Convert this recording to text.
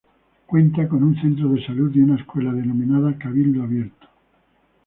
Cuenta con un centro de salud y una escuela denominada Cabildo Abierto.